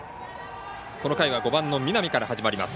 この回は５番の南から始まります。